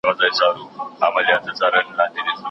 ولي لېواله انسان د با استعداده کس په پرتله ژر بریالی کېږي؟